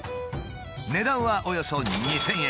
値段はおよそ２，０００円。